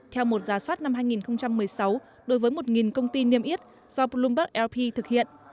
theo một giả soát năm hai nghìn một mươi sáu đối với một công ty niêm yết do bloomberg lp thực hiện